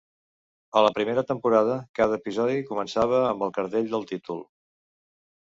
A la primera temporada, cada episodi començava amb el cartell del títol.